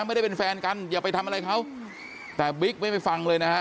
ไม่ได้เป็นแฟนกันอย่าไปทำอะไรเขาแต่บิ๊กไม่ไปฟังเลยนะฮะ